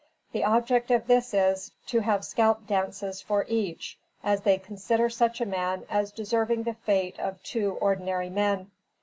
The object of this is, to have scalp dances for each, as they consider such a man as deserving the fate of two ordinary men.